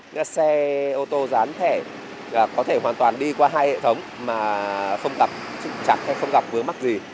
các xe ô tô dán thẻ có thể hoàn toàn đi qua hai hệ thống mà không tập chụp chặt hay không gặp vướng mắc gì